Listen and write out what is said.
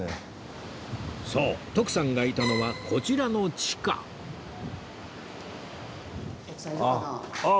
そう徳さんがいたのはこちらの地下徳さんいるかな？